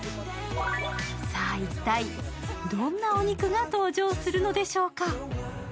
さあ、一体どんなお肉が登場するのでしょうか。